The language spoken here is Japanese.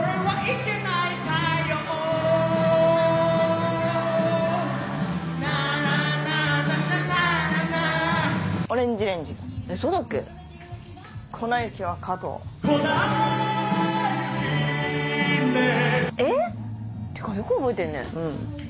ていうかよく覚えてんね。